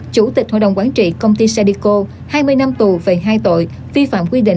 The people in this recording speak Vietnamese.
chủ tịch hội đồng quản trị công ty sadico hai mươi năm tù về hai tội vi phạm quy định